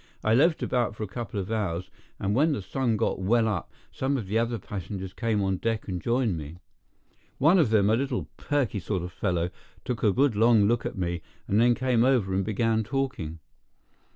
I loafed about for a couple of hours, and when the sun got well up some of the other passengers came on deck and joined me. One of them, a little perky sort of fellow, took a good long look at me, and then came over and began talking.